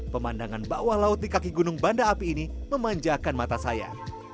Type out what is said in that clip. pemandangan bawah laut di kaki gunung banda api ini memanjakan mata saya